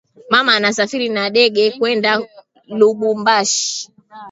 Mama anasafiri na dege kwenda lubumbashi